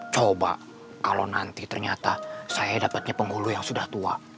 coba kalau nanti ternyata saya dapatnya penghulu yang sudah tua